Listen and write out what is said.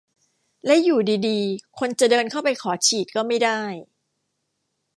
และอยู่ดีดีคนจะเดินเข้าไปขอฉีดก็ไม่ได้